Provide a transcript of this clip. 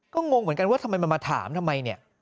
ก็งงเหมือนกันว่าทำไมมันมาถามทำไมเนี่ย